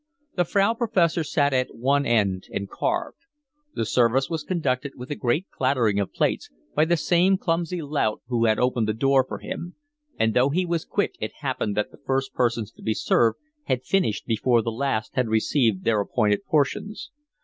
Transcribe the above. The Frau Professor sat at one end and carved. The service was conducted, with a great clattering of plates, by the same clumsy lout who had opened the door for him; and though he was quick it happened that the first persons to be served had finished before the last had received their appointed portions.